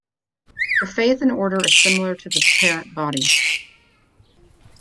The faith and order is similar to the parent body.